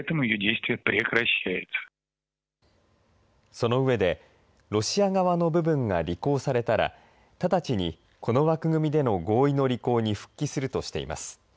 そのうえでロシア側の部分が履行されたら直ちにこの枠組みでの合意の履行に復帰するとしています。